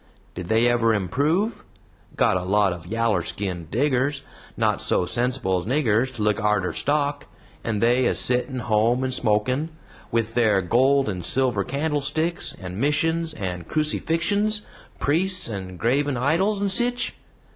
Did they ever improve? Got a lot of yaller skinned diggers, not so sensible as niggers to look arter stock, and they a sittin' home and smokin'. With their gold and silver candlesticks, and missions, and crucifixens, priests and graven idols, and sich?